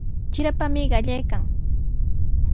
Trirapami qallaykan.